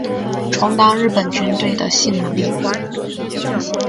充当日本军队的性奴隶